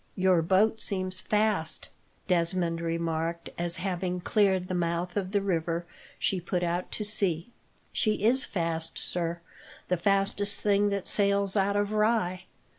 "Your boat seems fast," Desmond remarked, as, having cleared the mouth of the river, she put out to sea. "She is fast, sir; the fastest thing that sails out of Rye.